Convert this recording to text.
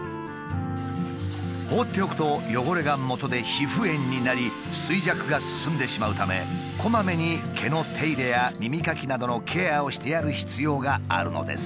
放っておくと汚れがもとで皮膚炎になり衰弱が進んでしまうためこまめに毛の手入れや耳かきなどのケアをしてやる必要があるのです。